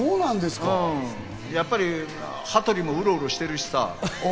やっぱり羽鳥もウロウロしてるしさ。